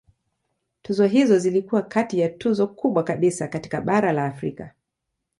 Tuzo hizo zilikuwa kati ya tuzo kubwa kabisa katika bara la Afrika.